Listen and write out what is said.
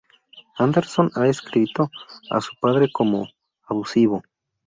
Anderson ha descrito a su padre como "abusivo".